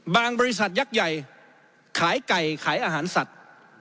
บริษัทยักษ์ใหญ่ขายไก่ขายอาหารสัตว์